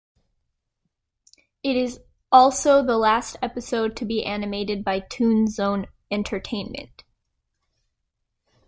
It is also the last episode to be animated by Toonzone Entertainment.